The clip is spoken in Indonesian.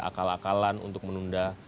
akal akalan untuk menunda